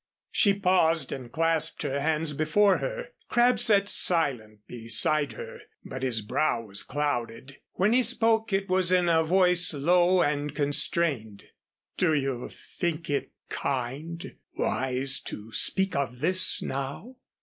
She paused and clasped her hands before her. Crabb sat silent beside her, but his brow was clouded. When he spoke it was in a voice low and constrained. "Do you think it kind wise to speak of this now?"